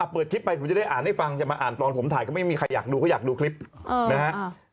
เปิดคลิปไปผมจะได้อ่านให้ฟังจะมาอ่านตอนผมถ่ายก็ไม่มีใครอยากดูก็อยากดูคลิปนะฮะ